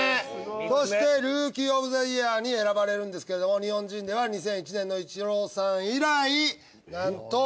そしてルーキー・オブ・ザ・イヤーに選ばれるんですけども日本人では２００１年のイチローさん以来なんと。